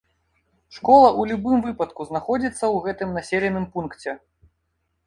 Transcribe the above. Школа ў любым выпадку знаходзіцца ў гэтым населеным пункце.